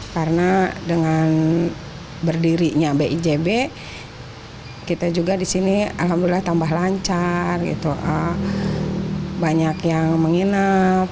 karena dengan berdirinya bijb kita juga di sini alhamdulillah tambah lancar banyak yang menginap